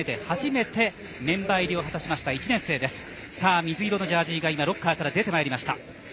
水色のジャージーがロッカーから出てきました。